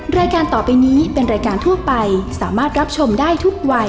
รายการต่อไปนี้เป็นรายการทั่วไปสามารถรับชมได้ทุกวัย